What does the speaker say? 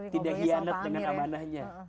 tidak hianat dengan amanahnya